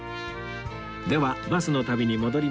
ではバスの旅に戻りましょう